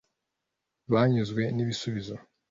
banyuzwe n'ibisubizo